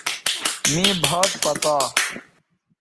مے بھات پڅا